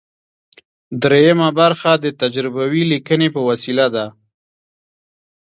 دریمه برخه د تجربوي لیکنې په وسیله ده.